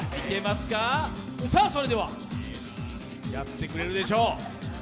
それでは、やってくれるでしょう。